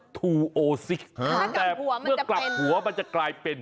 แต่เพื่อกลับหัวมันจะกลายเป็น๙๐๗